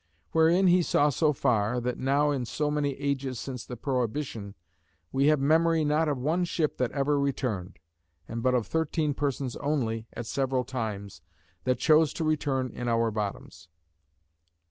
Wherein he saw so far, that now in so many ages since the prohibition, we have memory not of one ship that ever returned, and but of thirteen persons only, at several times, that chose to return in our bottoms.